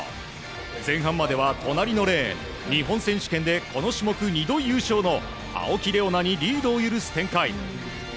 前半までは隣のレーン日本選手権でこの種目、２度優勝の青木玲緒樹にリードを許す展開。